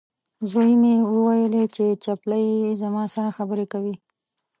زوی مې وویلې، چې چپلۍ یې زما سره خبرې کوي.